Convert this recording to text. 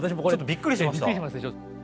びっくりしますでしょ。